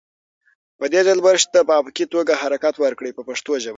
په دې ځل برش ته په افقي توګه حرکت ورکړئ په پښتو ژبه.